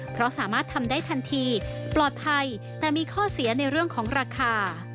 เพราะสามารถทำได้ทันทีปลอดภัยแต่มีข้อเสียในเรื่องของราคา